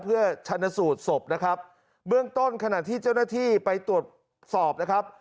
เพื่อชันสูตรศพนะครับเบื้องต้นขณะที่เจ้าหน้าที่ไปตรวจสอบนะครับ